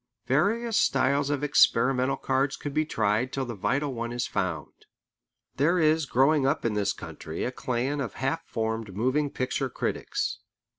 Various styles of experimental cards could be tried till the vital one is found. There is growing up in this country a clan of half formed moving picture critics.